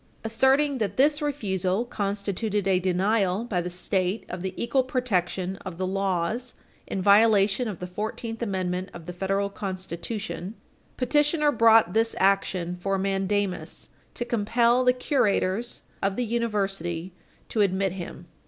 Asserting that this refusal constituted a denial by the State of the equal protection of the laws in violation of the Fourteenth Amendment of the Federal Constitution, petitioner brought this action for mandamus to compel the curators of the University to admit him.